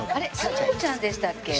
しんごちゃんでしたっけ？